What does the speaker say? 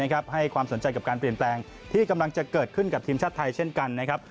ให้ความสนใจกับการเปลี่ยนแปลงที่กำลังจะเกิดขึ้นกับทีมชาติไทยเช่นกันนะครับ